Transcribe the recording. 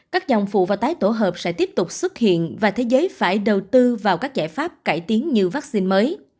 các dòng phụ và tái tổ hợp sẽ tiếp tục xuất hiện và thế giới phải đầu tư vào các giải pháp cải tiến như vaccine mới